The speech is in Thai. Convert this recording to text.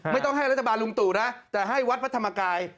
ไม่ต้องให้รัฐบาลลุงตุนะแต่ให้วัดพระธรรมกาย